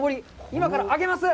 今から揚げます！